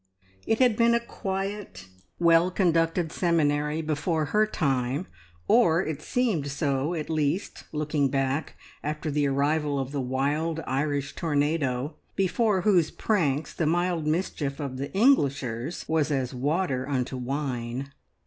It had been a quiet, well conducted seminary before her time, or it seemed so, at least, looking back after the arrival of the wild Irish tornado, before whose pranks the mild mischief of the Englishers was as water unto wine.